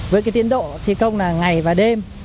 với tiến độ thi công là ngày và đêm